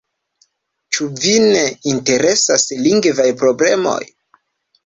Ĉu vin interesas lingvaj problemoj?